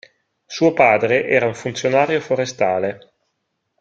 Suo padre era un funzionario forestale.